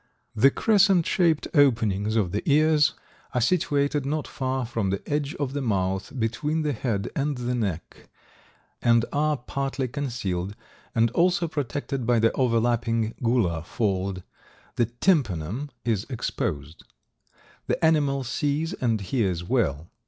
The crescent shaped openings of the ears are situated not far from the edge of the mouth, between the head and the neck, and are partly concealed and also protected by the overlapping gular fold; the tympanum is exposed. The animal sees and hears well.